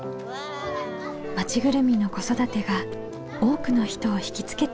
町ぐるみの子育てが多くの人をひきつけています。